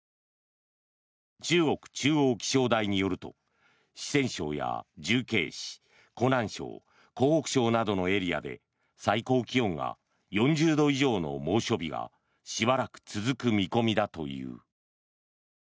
中国中央気象台によると四川省や重慶市湖南省、湖北省などのエリアで最高気温が４０度以上の猛暑日がしばらく続く見込みだという。